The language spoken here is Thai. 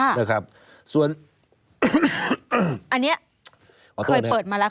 นะครับส่วนอันเนี้ยเคยเปิดมาแล้ว